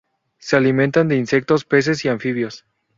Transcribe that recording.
Se alimentan de insectos, peces y anfibios.